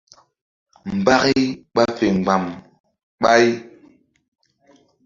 Mbaki ɓa fe mgba̧m ɓay.